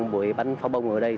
buổi bắn pháo bông ở đây